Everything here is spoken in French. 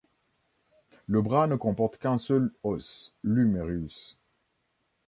Le bras ne comporte qu'un seul os, l'humérus.